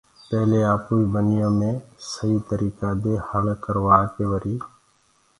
پيلي آپوئي ٻنيو مي سئي تريڪآ دي هݪ ڪروآڪي وري